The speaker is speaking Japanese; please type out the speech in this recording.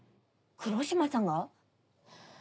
黒島さんが？